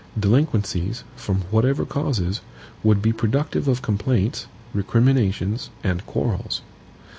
Delinquencies, from whatever causes, would be productive of complaints, recriminations, and quarrels.